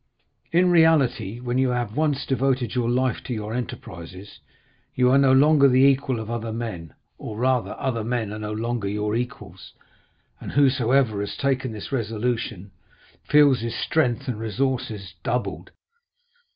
In reality, when you have once devoted your life to your enterprises, you are no longer the equal of other men, or, rather, other men are no longer your equals, and whosoever has taken this resolution, feels his strength and resources doubled."